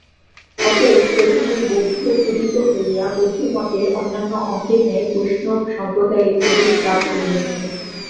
অতএব প্রথমে বৌদ্ধ-পূজিত হইয়া বৌদ্ধমতের অন্যান্য অঙ্গের ন্যায় বৈষ্ণব সম্প্রদায়ে প্রবেশ লাভ করিয়াছে।